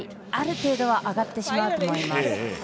ある程度は上がってしまうと思います。